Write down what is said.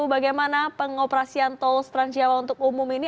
bagaimana pengoperasian tol trans jawa untuk umum ini